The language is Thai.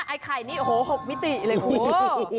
ไอ้ไข่นี่โห๖มิติเลยโห